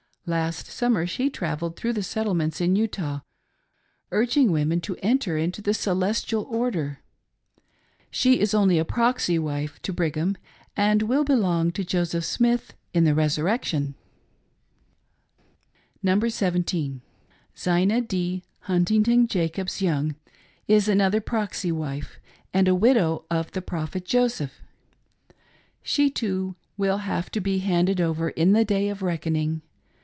Last summer she travelled through the settlements in Utah, urging the women to enter into the " Celestial Order." She is only a proxy wife to Brig ham, and will belong to Joseph Smith in the resurrection. ZINA p. HUNTINGTON JACOBS VOUNG. [Number Seventeen.] Zina D. Huntington Jacobs Young is another proxy w:ife, and a widow of the Prophet Josfeph. She, too, will have to rbe handed over in the day of reckoning.